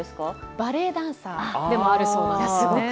バレエダンサーでもあるそうです。